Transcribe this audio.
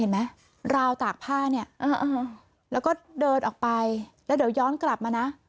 ไหมราวตากผ้าเนี่ยแล้วก็เดินออกไปแล้วเดี๋ยวย้อนกลับมานะ